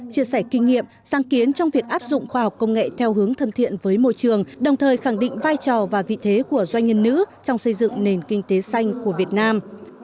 chia sẻ kinh nghiệm sáng kiến trong việc áp dụng khoa học công nghệ theo hướng thân thiện với môi trường đồng thời khẳng định vai trò và vị thế của doanh nhân nữ trong xây dựng nền kinh tế xanh của việt nam